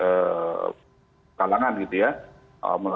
ketika potongan potongan tes itu muncul di berbagai kalangan